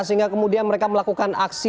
sehingga kemudian mereka melakukan aksi